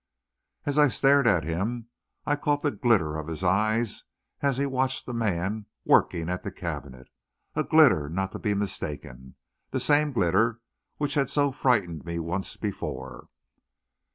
And as I stared at him, I caught the glitter of his eyes as he watched the man working at the cabinet a glitter not to be mistaken the same glitter which had so frightened me once before....